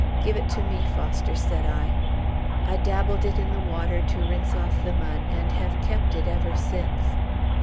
"Give it to me, Foster," said I. I dabbled it in the water, to rinse off the mud, and have kept it ever since.